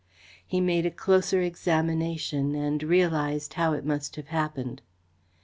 He made a closer examination and realised how it must have happened.